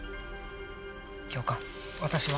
「教官私は」